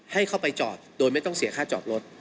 ให้เข้าไปจอดโดยไม่ต้องเสียค่าจอดรถ